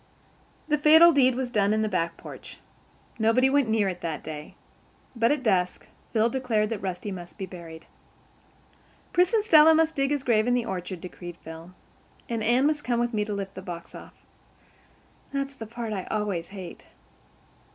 The fatal deed was done in the back porch. Nobody went near it that day. But at dusk Phil declared that Rusty must be buried. "Pris and Stella must dig his grave in the orchard," declared Phil, "and Anne must come with me to lift the box off. That's the part I always hate."